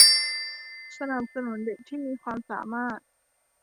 สนับสนุนเด็กที่มีความสามารถ